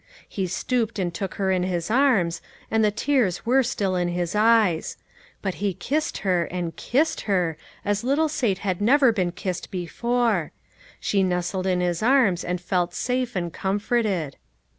He stooped and took her in his arms, and the tears were still in his eyes ; but he kissed her, and kissed her, as little Sate had never been kissed before ; she nestled in his arms and felt safe and comforted.